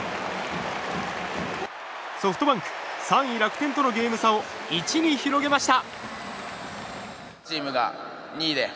ソフトバンク３位楽天とのゲーム差を１に広げました。